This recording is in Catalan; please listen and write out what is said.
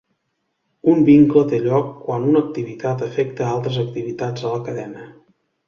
Un vincle té lloc quan una activitat afecta altres activitats a la cadena.